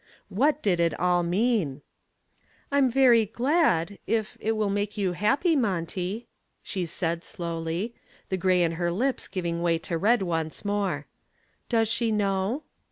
What did it all mean? "I am very glad if it will make you happy, Monty," she said slowly, the gray in her lips giving way to red once more. "Does she know?"